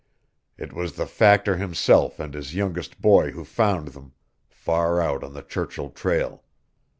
It was the Factor himself and his youngest boy who found them, far out on the Churchill trail.